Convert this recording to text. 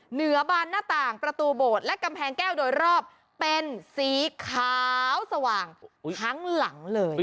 เหนือบานหน้าต่างประตูโบสถ์และกำแพงแก้วโดยรอบเป็นสีขาวสว่างทั้งหลังเลย